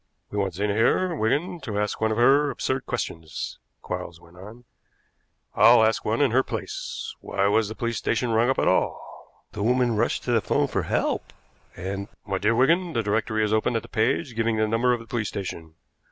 "We want Zena here, Wigan, to ask one of her absurd questions," Quarles went on. "I'll ask one in her place. Why was the police station rung up at all?" "The woman rushed to the 'phone for help, and " "My dear Wigan, the directory is open at the page giving the number of the police station.